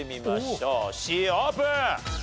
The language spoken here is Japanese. Ｃオープン。